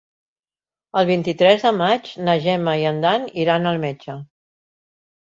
El vint-i-tres de maig na Gemma i en Dan iran al metge.